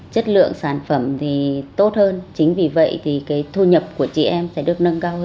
chất lượng sản phẩm thì tốt hơn chính vì vậy thì cái thu nhập của chị em sẽ được nâng cao hơn